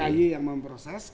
kayu yang memproses